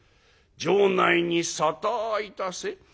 城内に沙汰いたせ」。